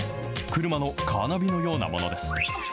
車のカーナビのようなものです。